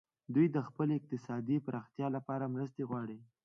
دوی د خپلې اقتصادي پراختیا لپاره مرستې غواړي